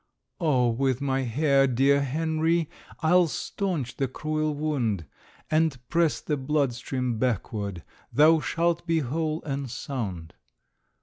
"Oh, with my hair, dear Henry, I'll staunch the cruel wound, And press the blood stream backward; Thou shalt be whole and sound."